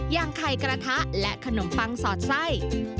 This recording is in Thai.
อย่างไข่กระทะและขนมปังสอดไส้